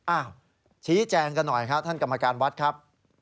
อ้าวชี้แจงกันหน่อยครับท่านกรรมการวัดครับ